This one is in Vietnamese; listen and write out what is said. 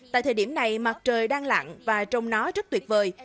tại thời điểm này mặt trời đang lặn và trông nó rất tuyệt vời